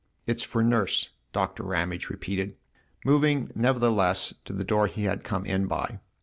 "It's for Nurse," Doctor Ramage repeated, moving nevertheless to the door he had come in by.